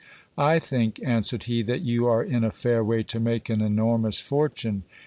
I think, answered he, that you are in a fair way to make an enor mous fortune.